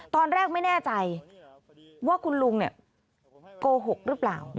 ตอนแรกไม่แน่ใจว่าคุณลุงโกหกหรือเปล่า